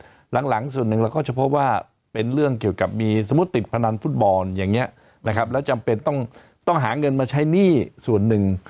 หลังส่วนหนึ่งเราก็จะพบว่าเป็นเรื่องเกี่ยวกับมีสมมุติติดพนันฟุตบอลอย่างนี้นะครับแล้วจำเป็นต้องหาเงินมาใช้หนี้ส่วนหนึ่ง